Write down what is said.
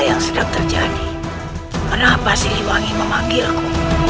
yang sedang terjadi kenapa siliwangi memanggilku